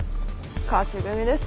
勝ち組ですね。